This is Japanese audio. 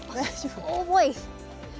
重い！